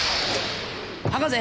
「博士！